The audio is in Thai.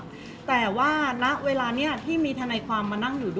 เพราะว่าสิ่งเหล่านี้มันเป็นสิ่งที่ไม่มีพยาน